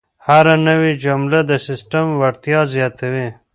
هره نوې جمله د سیسټم وړتیا زیاتوي.